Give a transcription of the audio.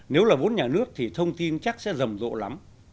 nếu là vốn nhà nước thì thông tin chắc sẽ rầm rộ lắm